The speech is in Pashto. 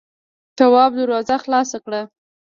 تواب دروازه خلاصه کړه.